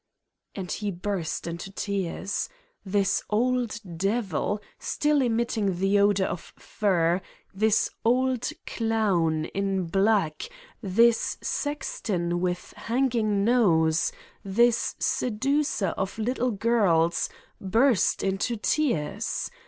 And he burst into tears. This old devil, still emitting the odor of fur, this old clown in black, this sexton with hanging nose, this seducer of little girls burst into tears